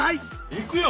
いくよ！